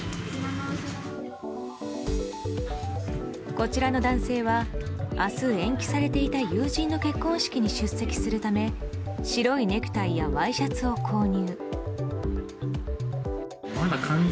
こちらの男性は明日延期されていた友人の結婚式に出席するため白いネクタイやワイシャツを購入。